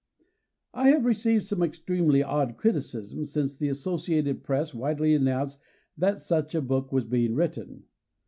I have received some extremely odd criticisms since the Associated Press widely announced that such a book was being written.